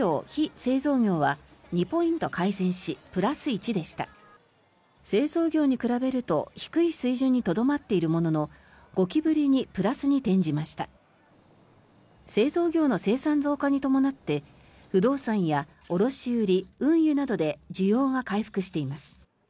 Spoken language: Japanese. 製造業の生産増加に伴って不動産や卸売・運輸などで需要が回復しています。